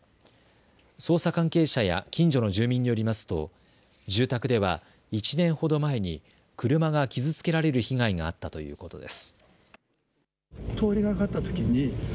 捜査関係者や近所の住民によりますと、住宅では１年ほど前に車が傷つけられる被害があったということです。